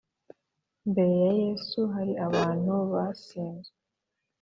Mbere ya Yesu hari abantu basizwe